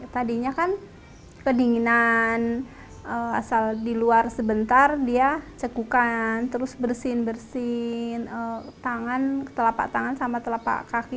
tadinya kan kedinginan asal di luar sebentar dia cekukan terus bersin bersin tangan telapak tangan sama telapak kaki